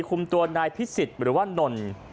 คุมตัวนายพิสิทธิ์หรือว่านน